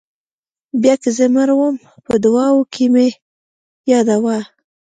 بیا که زه مړ وم په دعاوو کې مې یادوه.